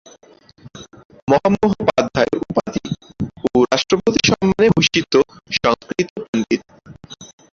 মহামহোপাধ্যায় উপাধি ও রাষ্ট্রপতি সম্মানে ভূষিত সংস্কৃত পণ্ডিত।